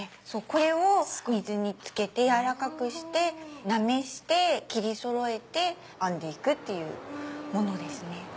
これを水につけて軟らかくしてなめして切りそろえて編んでいくっていうものですね。